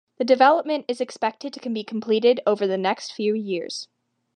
The development is expected to be completed over the next few years.